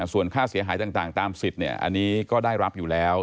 ส่วนค่าเสียหายต่างตามสิทธิ์อันนี้ก็ได้รับอยู่แล้ว